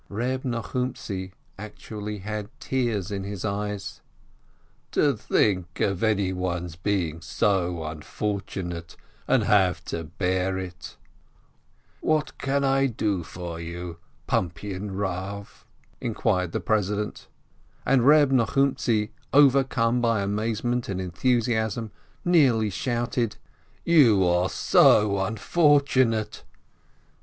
Reb Nochumtzi actually had tears in his eyes, "To think of anyone's being so unfortunate — and to have to bear it !" "What can I do for you, Pumpian Rav?" inquired the president. And Reb Nochumtzi, overcome by amazement and enthusiasm, nearly shouted: "You are so unfortunate